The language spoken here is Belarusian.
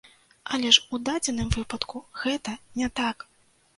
Але ж у дадзеным выпадку гэта не так!